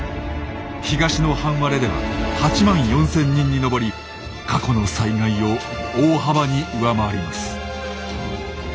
東の半割れでは８万４，０００人に上り過去の災害を大幅に上回ります。